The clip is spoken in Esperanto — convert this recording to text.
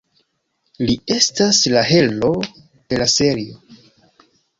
Li estas la heroo de la serio.